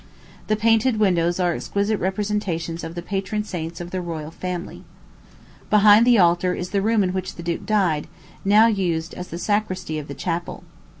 The painted windows are exquisite representations of the patron saints of the royal family. Behind the altar is the room in which the duke died, now used as the sacristy of the chapel.